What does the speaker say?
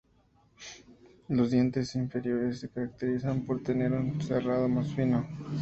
Los dientes inferiores se caracterizan por tener un serrado más fino.